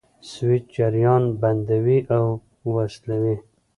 سویچ جریان بندوي او وصلوي.